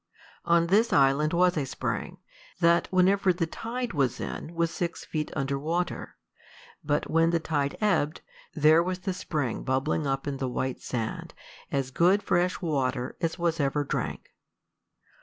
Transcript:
On this island was a spring, that whenever the tide was in was six feet under water; but when the tide ebbed, there was the spring bubbling up in the white sand, as good fresh water as was ever drank.